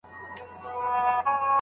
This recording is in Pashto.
صالحه ميرمن د خپل خاوند سره همکاري کوي.